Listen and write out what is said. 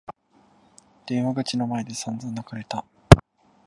電話口の前で散々泣かれた。